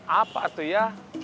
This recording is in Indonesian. apa atuh ya